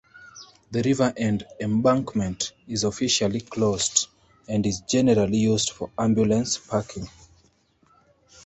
The "River End" embankment is officially closed and is generally used for ambulance parking.